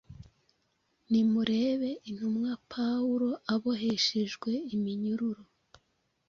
Nimurebe intumwa Pawulo aboheshejwe iminyururu,